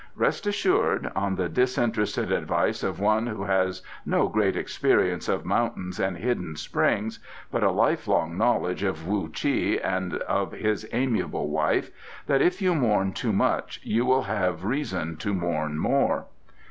Rest assured, on the disinterested advice of one who has no great experience of mountains and hidden springs, but a life long knowledge of Wu Chi and of his amiable wife, that if you mourn too much you will have reason to mourn more."